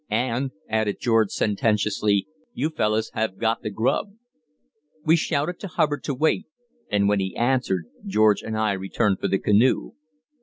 And," added George, sententiously, "you fellus have got the grub." We shouted to Hubbard to wait, and when he answered, George and I returned for the canoe.